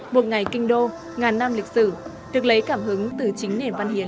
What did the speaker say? một ngày kinh đô ngàn nam lịch sử được lấy cảm hứng từ chính nền văn hiến